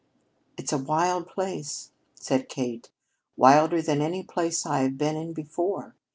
"It's a wild place," said Kate; "wilder than any place I have been in before.